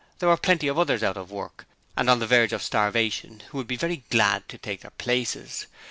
There were plenty of others out of work and on the verge of starvation who would be very glad to take their places.